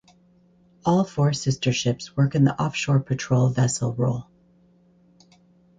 All four sister ships work in the offshore patrol vessel role.